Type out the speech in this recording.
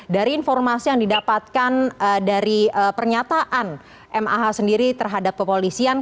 dari informasi yang didapatkan dari pernyataan mah sendiri terhadap kepolisian